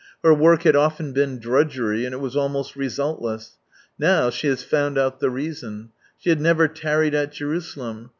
Her work had often been drudgery, and it was almost resultless. Now she has found out the reason. She had never " tarried at Jerusalem."